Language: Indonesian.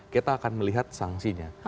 kita akan melihat sangsinya